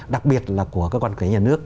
đặc biệt là của các quan kế nhà nước